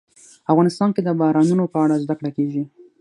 افغانستان کې د بارانونو په اړه زده کړه کېږي.